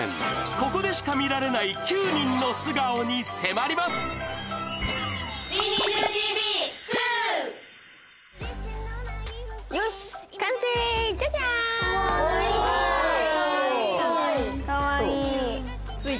ここでしか見られない９人の素顔に迫りますかわいい。